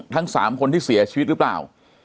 ทั้ง๓คนที่เสียชีวิตหรือเปล่า